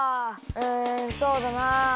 うんそうだな。